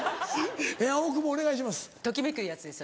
大久保お願いします。